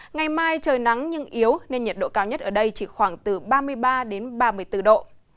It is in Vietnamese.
ngày mai trời nắng nhưng yếu nên nhiệt độ cao nhất ở đây chỉ khoảng từ ba mươi ba đến ba mươi bốn độ